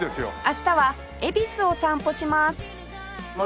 明日は恵比寿を散歩します